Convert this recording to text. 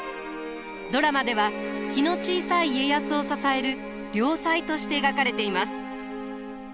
ドラマでは気の小さい家康を支える良妻として描かれています。